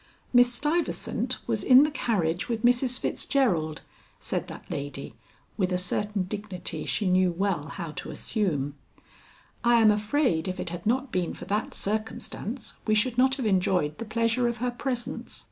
"Miss Stuyvesant was in the carriage with Mrs. Fitzgerald," said that lady with a certain dignity she knew well how to assume. "I am afraid if it had not been for that circumstance we should not have enjoyed the pleasure of her presence."